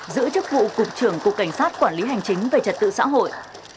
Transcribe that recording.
giữ chức vụ cục trưởng cục cảnh sát quản lý hành chính về trật tự xã hội